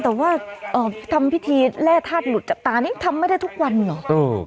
แต่ว่าทำพิธีแร่ธาตุหลุดจับตานี่ทำไม่ได้ทุกวันเหรอ